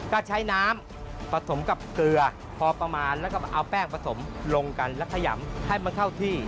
ก็ใช้น้ำผสมกับเกลือพอประมาณแล้วก็เอาแป้งผสมลงกันแล้วขยำให้มันเข้าที่